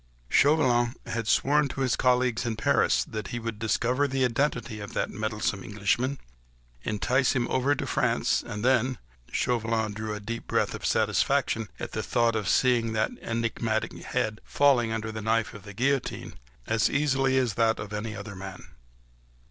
Chauvelin had sworn to his colleagues in Paris that he would discover the identity of that meddlesome Englishman, entice him over to France, and then ... Chauvelin drew a deep breath of satisfaction at the very thought of seeing that enigmatic head falling under the knife of the guillotine, as easily as that of any other man.